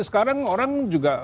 sekarang orang juga